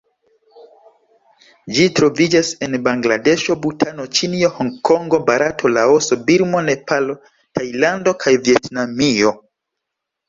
Ĝi troviĝas en Bangladeŝo, Butano, Ĉinio, Hongkongo, Barato, Laoso, Birmo, Nepalo, Tajlando kaj Vjetnamio.